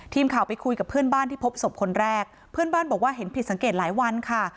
ทีมข่าวไปคุยกับเพื่อนบ้านที่พบศพคนแรกเพื่อนบ้านบอกว่าเห็นผิดสังเกตหลายวันค่ะ